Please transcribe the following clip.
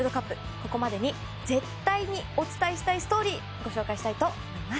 ここまでに絶対にお伝えしたいストーリーご紹介したいと思います。